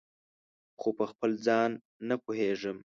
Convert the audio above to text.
خو پخپل ځان نه پوهیږم